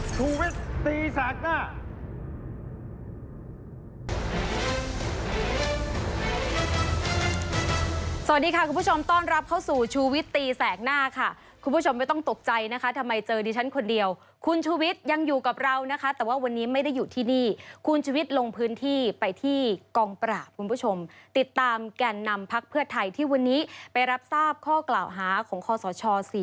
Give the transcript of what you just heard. สวัสดีค่ะคุณผู้ชมต้อนรับเข้าสู่ชูวิตตีแสกหน้าค่ะคุณผู้ชมไม่ต้องตกใจนะคะทำไมเจอดิฉันคนเดียวคุณชูวิทย์ยังอยู่กับเรานะคะแต่ว่าวันนี้ไม่ได้อยู่ที่นี่คุณชุวิตลงพื้นที่ไปที่กองปราบคุณผู้ชมติดตามแก่นนำพักเพื่อไทยที่วันนี้ไปรับทราบข้อกล่าวหาของคศ